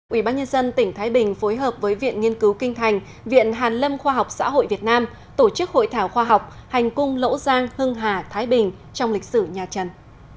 ủy ban nhân dân tỉnh thái bình phối hợp với viện nghiên cứu kinh thành viện hàn lâm khoa học xã hội việt nam tổ chức hội thảo khoa học hành cung lỗ giang hưng hà thái bình trong lịch sử nhà trần